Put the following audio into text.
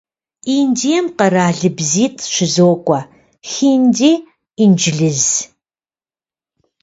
Индием къэралыбзитӀ щызокӀуэ: хинди, инджылыз.